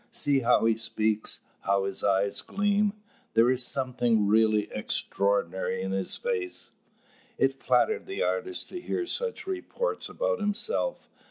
see how he speaks, how his eyes gleam! There is something really extraordinary in his face!" It flattered the artist to hear such reports about himself.